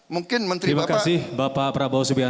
mungkin menteri bapak